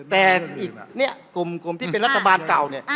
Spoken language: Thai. แต่อีกเนี่ยกลุ่มที่เป็นรัฐบาลเก่าเนี่ย